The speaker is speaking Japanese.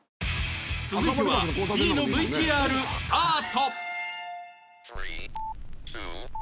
続いては Ｂ の ＶＴＲ スタート！